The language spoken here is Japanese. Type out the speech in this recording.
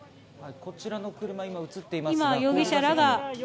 こちらの車、今、映っています。